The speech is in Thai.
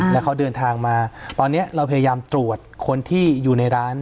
แล้วเขาเดินทางมาตอนนี้เราพยายามตรวจคนที่อยู่ในร้าน